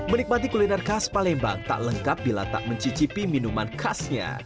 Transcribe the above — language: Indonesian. menikmati kuliner khas palembang tak lengkap bila tak mencicipi minuman khasnya